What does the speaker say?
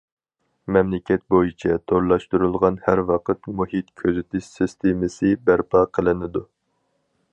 مەملىكەت بويىچە تورلاشتۇرۇلغان ھەر ۋاقىت مۇھىت كۆزىتىش سىستېمىسى بەرپا قىلىنىدۇ.